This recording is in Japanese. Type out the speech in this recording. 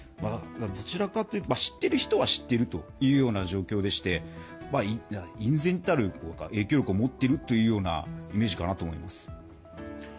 どちらかというと、知っている人は知っているという状況でして、隠然たる影響力を持っているというイメージかなと思います。